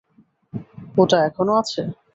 ওটা এখনো আছে?